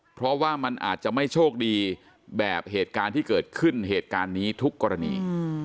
เพราะว่ามันอาจจะไม่โชคดีแบบเหตุการณ์ที่เกิดขึ้นเหตุการณ์นี้ทุกกรณี